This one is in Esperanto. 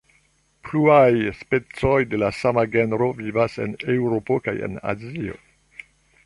Pluaj specoj de la sama genro vivas en Eŭropo kaj en Azio.